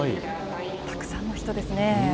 たくさんの人ですね。